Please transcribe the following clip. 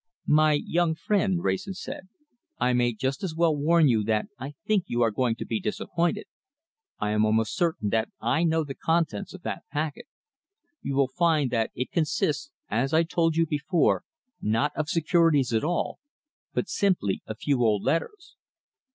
"My young friend," Wrayson said, "I may just as well warn you that I think you are going to be disappointed. I am almost certain that I know the contents of that packet. You will find that it consists, as I told you before, not of securities at all, but simply a few old letters."